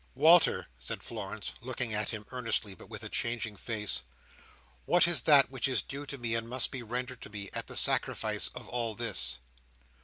"Walter," said Florence, looking at him earnestly, but with a changing face, "what is that which is due to me, and must be rendered to me, at the sacrifice of all this?"